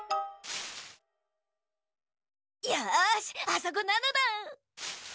よしあそこなのだ。